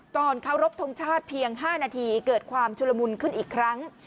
เคารพทงชาติเพียง๕นาทีเกิดความชุลมุนขึ้นอีกครั้ง